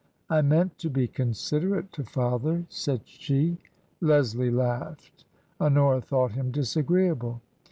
" I meant to be considerate to father," said she. Leslie laughed. Honora thought him disagreeable.